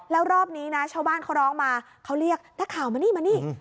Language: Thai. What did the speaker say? แล้วรอบนี้นะชาวบ้านเขาร้องมาเขาเรียกนักข่าวมานี่มานี่